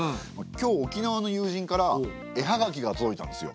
今日沖縄の友人から絵ハガキが届いたんですよ。